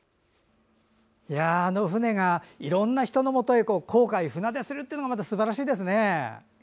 あの船がいろんな人のもとへ航海、船出するというのもまたすばらしいですね。